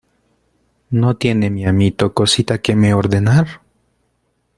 ¿ no tiene mi amito cosita que me ordenar?